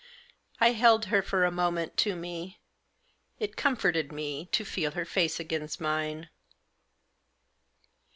I held her, for a moment, to me. It comforted me to feel her face against mine.